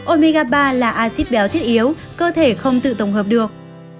omega ba là acid béo thiết yếu cơ thể không tự tổng hợp được